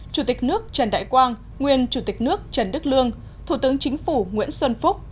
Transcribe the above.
chủ tịch nước trần đại quang nguyên chủ tịch nước trần đức lương thủ tướng chính phủ nguyễn xuân phúc